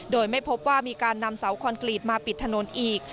โดยไม่พบว่ามีการนำเสาคอนกรีตมาปิดถนนอีก